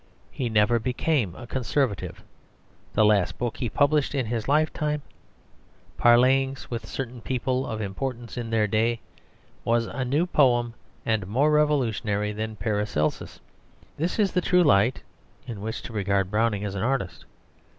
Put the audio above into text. He never became a conservative. The last book he published in his life time, Parleyings with Certain People of Importance in their Day, was a new poem, and more revolutionary than Paracelsus. This is the true light in which to regard Browning as an artist.